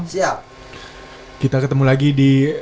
siap kita ketemu lagi di